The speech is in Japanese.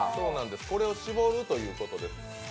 これを搾るということです。